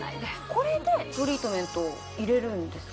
これでトリートメントを入れるんですか？